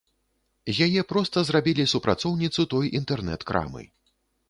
З яе проста зрабілі супрацоўніцу той інтэрнэт-крамы.